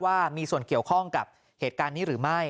ว่ามีส่วนเกี่ยวข้องกับเหตุการณ์นี้หรือไม่